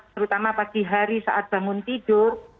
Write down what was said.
terutama pagi hari saat bangun tidur